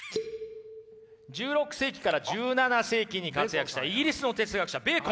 １６世紀から１７世紀に活躍したイギリスの哲学者ベーコンです。